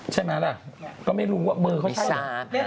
ใช่มั้ยล่ะก็ไม่รู้ว่ามือเขาใช่หรือไม่รู้